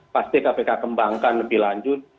pasti kpk kembangkan lebih lanjut